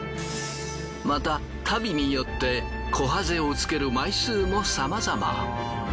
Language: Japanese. また足袋によってこはぜをつける枚数もさまざま。